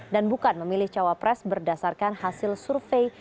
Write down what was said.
dan bukan memilih cawa pres berdasarkan hasil survei